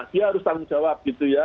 dia harus tanggung jawab